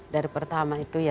dari pertama itu ya